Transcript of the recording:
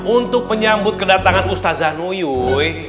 untuk penyambut kedatangan ustadz zanuyuy